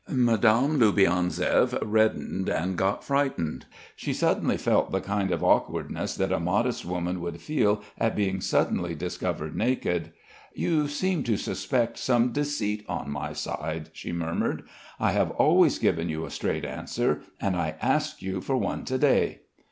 Madame Loubianzev reddened and got frightened. She suddenly felt the kind of awkwardness that a modest woman would feel at being suddenly discovered naked. "You seem to suspect some deceit on my side," she murmured. "I have always given you a straight answer; and I asked you for one to day."